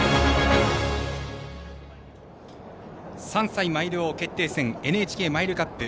３歳マイル王決定戦ＮＨＫマイルカップ。